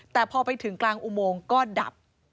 แต่พอไปถึงกลางอุโมงก็ดับ